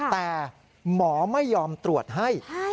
แต่หมอไม่ยอมตรวจให้